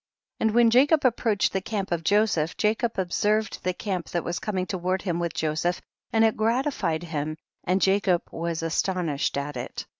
12. And when Jacob approached the camp of Joseph, Jacob observed the camp that was coming toward him with Joseph, and it gratified him and Jacob was astonished at it.